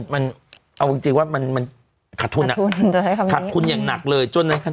มันเอาจริงว่ามันขาดทุนขาดทุนอย่างหนักเลยจนใน